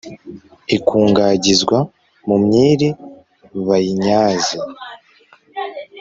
ikungagizwa mu myiri bayinyaze.